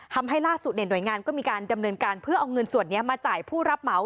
ทำให้ล่าสุดหน่วยงานก็มีการดำเนินการเพื่อเอาเงินส่วนนี้มาจ่ายผู้รับเหมา